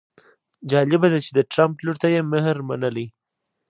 جالبه ده چې د ټرمپ لور ته یې مهر منلی.